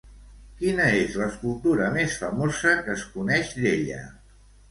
Quina és l'escultura més famosa que es coneix d'ella?